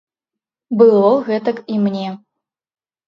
Было гэтак і мне.